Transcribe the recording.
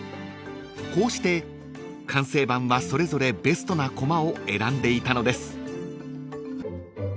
［こうして完成版はそれぞれベストなこまを選んでいたのです］